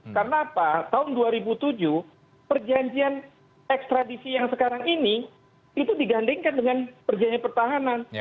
karena apa tahun dua ribu tujuh perjanjian ekstradisi yang sekarang ini itu digandenkan dengan perjanjian pertahanan